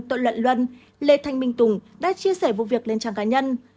tội luận luân lê thanh minh tùng đã chia sẻ vụ việc lên trang cá nhân